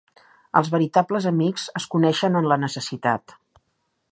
Els veritables amics es coneixen en la necessitat.